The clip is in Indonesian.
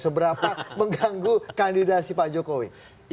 seberapa mengganggu kandidasi pak jokowi